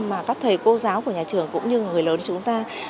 mà các thầy cô giáo của nhà trường cũng như người lớn chúng ta